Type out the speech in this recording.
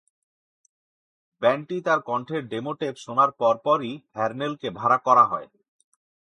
ব্যান্ডটি তার কণ্ঠের demo tape শোনার পর পরই হ্যারনেলকে ভাড়া করা হয়।